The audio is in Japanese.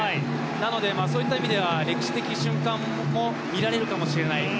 なので、そういった意味では歴史的瞬間を見られるかもしれない。